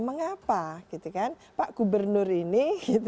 mengapa pak gubernur ini